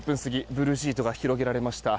ブルーシートが広げられました。